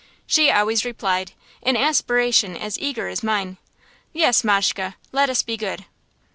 She always replied, in aspiration as eager as mine, "Yes, Mashke, let us be good."